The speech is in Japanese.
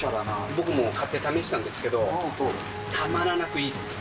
僕も買って試したんですけど、たまらなくいいです。